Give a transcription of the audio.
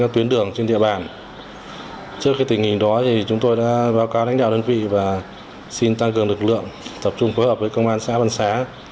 trong khi đó chúng tôi đã báo cáo đánh đảo đơn vị và xin tăng cường lực lượng tập trung phối hợp với công an xã vàng xã